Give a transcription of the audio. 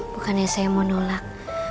bukannya saya mau nolak